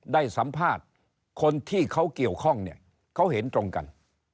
ได้สัมภาษณ์คนที่เขาเกี่ยวข้องเนี่ยเขาเห็นตรงกัน